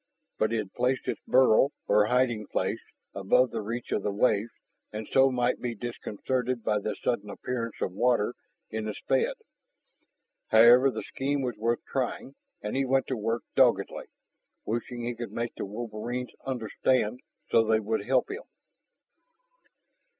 But it had placed its burrow, or hiding place, above the reach of the waves and so might be disconcerted by the sudden appearance of water in its bed. However, the scheme was worth trying, and he went to work doggedly, wishing he could make the wolverines understand so they would help him.